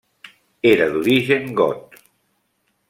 Era d'origen got.